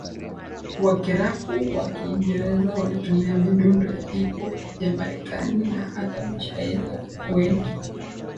Wakirapu kwa Kiingereza walitumia midundo ya hip hop ya Marekani na hata mashairi wengi